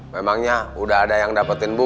memangnya udah ada yang dapetin bu